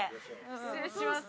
失礼します。